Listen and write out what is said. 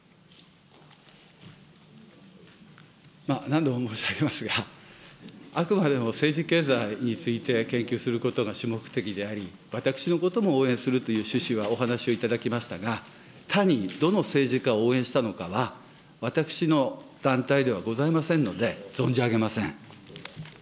何度も申し上げますが、あくまでも政治経済について研究することが主目的であり、私のことも応援するという趣旨はお話しはいただきましたが、他にどの政治家を応援したのかは私の団体ではございませんので存